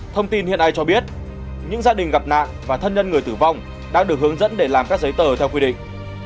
thông tin hiện nay cho biết những gia đình gặp nạn và thân nhân người tử vong đang được hướng dẫn để làm các giấy tờ theo quy định